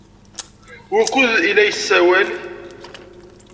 Wukud ay la yessawal?